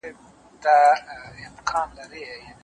جهاني چي دا جهان وي ستا قلم ستا به دېوان وي